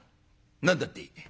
「何だって？」。